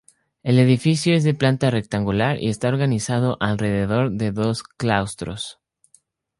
El edificio es de planta rectangular y está organizado alrededor de dos claustros.